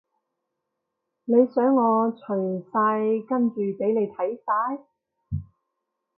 你想我除晒跟住畀你睇晒？